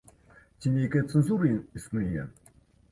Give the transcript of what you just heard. Ці нейкая цэнзура існуе?